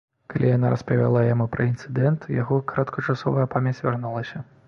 Калі яна распавяла яму пра інцыдэнт, яго кароткачасовая памяць вярнулася.